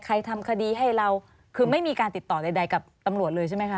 ทำคดีให้เราคือไม่มีการติดต่อใดกับตำรวจเลยใช่ไหมคะ